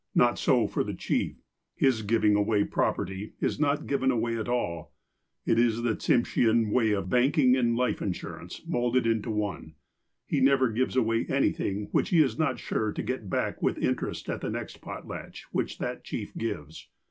Not so the chief. His giving away property is not given away at all. It is the Tsimshean way of banking and life insurance, moulded into one. He never gives away anything which he is not sure to get back with interest at the next potlatch which that chief gives.